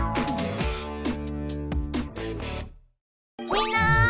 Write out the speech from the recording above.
みんな！